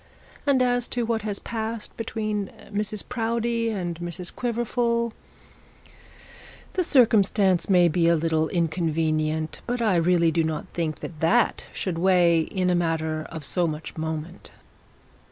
And as to what has passed between Mrs Proudie and Mrs Quiverful, the circumstance may be a little inconvenient, but I really do not think that that should weigh in a matter of so much moment.'